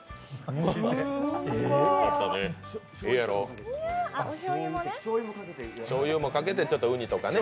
だっしょうゆもかけて、ちょっとうにとかね。